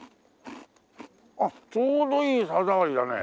あっちょうどいい歯触りだね。